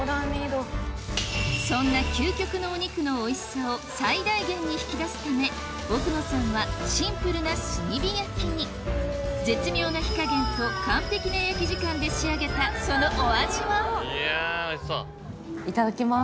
そんな究極のお肉のおいしさを最大限に引き出すため奥野さんはシンプルな炭火焼きにで仕上げたそのお味はいただきます。